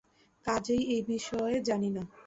কাজেই এই বিষয় জানি না।